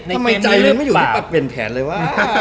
ทำไมใจเริ่มไม่อยู่ที่ปรับเปลี่ยนแผนเลยวะ